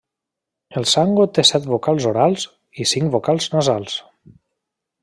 El sango té set vocals orals i cinc vocals nasals.